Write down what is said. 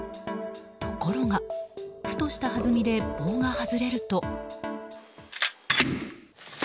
ところが、ふとしたはずみで棒が外れると。